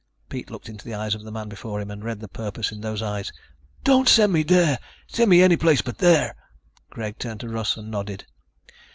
Pete looked into the eyes of the man before him and read the purpose in those eyes. "Don't send me there! Send me any place but there!" Greg turned to Russ and nodded.